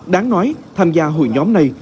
đáng nói tham gia hội nhóm này